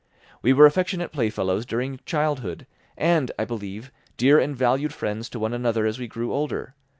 We were affectionate playfellows during childhood, and, I believe, dear and valued friends to one another as we grew older.